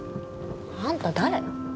あんた誰？